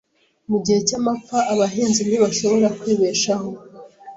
Mu gihe cy’amapfa, abahinzi ntibashobora kwibeshaho.